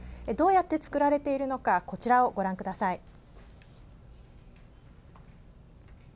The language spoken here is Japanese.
どうやって作られているのかこちらをご覧ください。